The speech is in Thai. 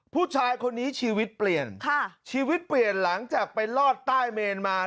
ผู้ชายคนนี้ชีวิตเปลี่ยนค่ะชีวิตเปลี่ยนหลังจากไปลอดใต้เมนมา